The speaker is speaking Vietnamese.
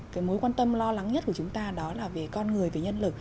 cái mối quan tâm lo lắng nhất của chúng ta đó là về con người về nhân lực